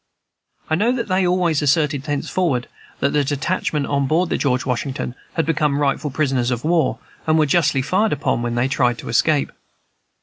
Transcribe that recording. I know that they always asserted thenceforward that the detachment on board the George Washington had become rightful prisoners of war, and were justly fired upon when they tried to escape.